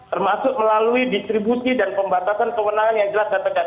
termasuk melalui distribusi dan pembatasan kewenangan yang jelas dan tegas